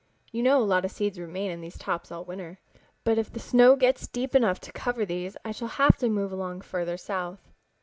You know a lot of seeds remain in these tops all winter. But if the snow gets deep enough to cover these I shall have to move along farther south."